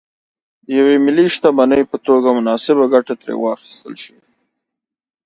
د یوې ملي شتمنۍ په توګه مناسبه ګټه ترې واخیستل شي.